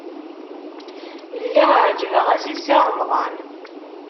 Lliɣ ɛejbeɣ-as i Si Remḍan.